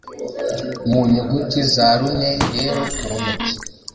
Mu nyuguti za rune rero ku ntoki